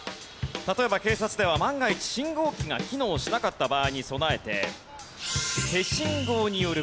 例えば警察では万が一信号機が機能しなかった場合に備えて。